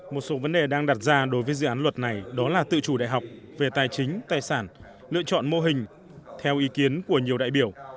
một số vấn đề đang đặt ra đối với dự án luật này đó là tự chủ đại học về tài chính tài sản lựa chọn mô hình theo ý kiến của nhiều đại biểu